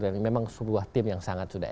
dan memang sebuah tim yang sangat sudah